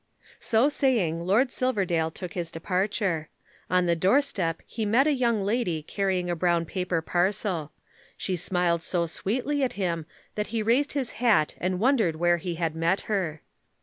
So saying Lord Silverdale took his departure. On the doorstep he met a young lady carrying a brown paper parcel. She smiled so sweetly at him that he raised his hat and wondered where he had met her.